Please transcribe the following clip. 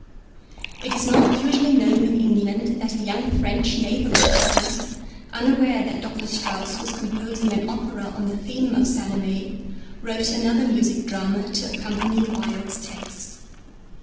It is not usually known in England that a young French naval officer, unaware that Dr. Strauss was composing an opera on the theme of Salomé, wrote another music drama to accompany Wilde's text.